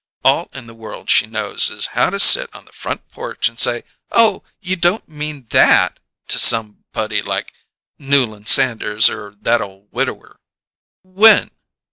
All in the world she knows is how to sit on the front porch and say: 'Oh you don't mean that!' to somebody like Newland Sanders or that ole widower!" "When?"